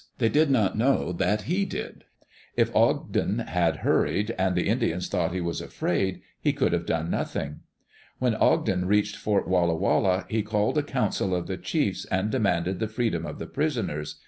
They did not know that he did. If Ogden had hurried, and the Indians thought he was afraid, he could have done nothing. When Ogden reached Fort Walla Walla, he called a council of the chiefs, and demanded the freedom of the prisoners.